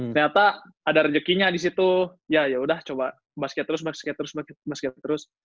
ternyata ada rejekinya disitu ya yaudah coba basket terus basket terus basket terus